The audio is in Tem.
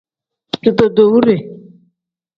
Ditootowure.